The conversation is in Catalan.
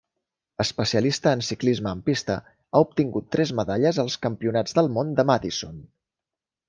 Especialista en ciclisme en pista, ha obtingut tres medalles als Campionats del món de Madison.